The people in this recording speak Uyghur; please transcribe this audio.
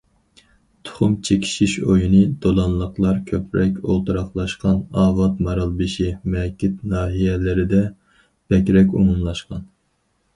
تۇخۇم چېكىشىش ئويۇنى دولانلىقلار كۆپرەك ئولتۇراقلاشقان ئاۋات، مارالبېشى، مەكىت ناھىيەلىرىدە بەكرەك ئومۇملاشقان.